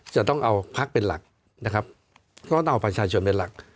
จะต้องเอาพักเป็นหลักนะครับก็ต้องเอาประชาชนเป็นหลัก